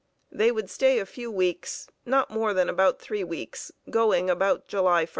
They would stay a few weeks, not more than about three weeks, going about July 1.